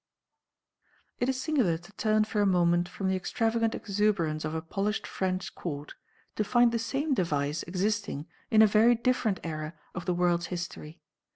'" It is singular to turn for a moment from the extravagant exuberance of a polished French court to find the same device existing in a very different era of the world's history.